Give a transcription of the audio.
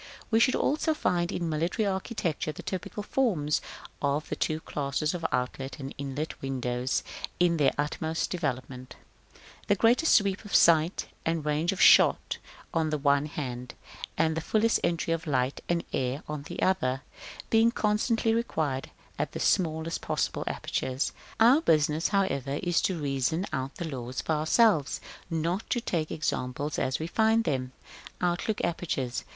We should also find in military architecture the typical forms of the two classes of outlet and inlet windows in their utmost development; the greatest sweep of sight and range of shot on the one hand, and the fullest entry of light and air on the other, being constantly required at the smallest possible apertures. Our business, however, is to reason out the laws for ourselves, not to take the examples as we find them. § XI. 1. Outlook apertures.